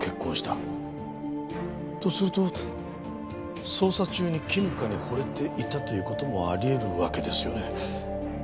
とすると捜査中に絹香に惚れていたという事もあり得るわけですよね。